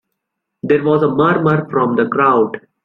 There was a murmur from the crowd.